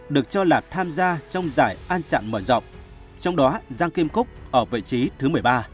được cho là tham gia trong giải an trạng mở rộng trong đó giang kim cúc ở vị trí thứ một mươi ba